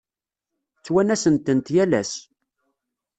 Ttwanasen-tent yal ass.